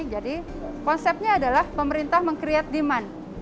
jadi konsepnya adalah pemerintah meng create demand